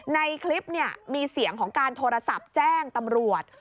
ในคลิปเนี่ยมีเสียงของการโทรศัพท์แจ้งตำรวจ